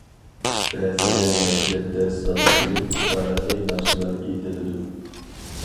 بەزىدە مەشرەپتە ساز چېلىپ، تارىخىي ناخشىلار ئېيتىلىدۇ.